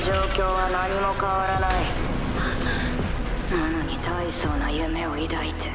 なのに大層な夢を抱いて。